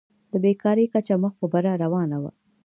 د بېکارۍ کچه مخ په بره روانه وه.